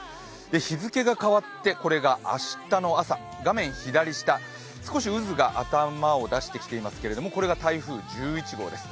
日付が変わって明日の朝、画面左下、少し渦が頭を出してきていますけど、これが台風１１号です。